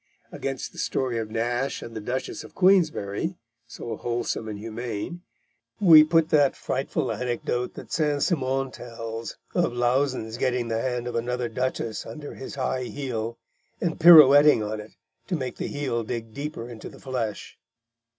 Against the story of Nash and the Duchess of Queensberry, so wholesome and humane, we put that frightful anecdote that Saint Simon tells of Lauzun's getting the hand of another duchess under his high heel, and pirouetting on it to make the heel dig deeper into the flesh.